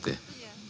itu tepat ya